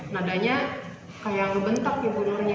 nadanya kayak ngebentak ya bu nurnya